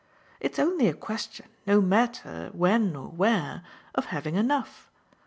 It's only a question, no matter when or where, of having enough.